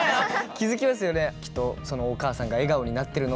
気付きますよね。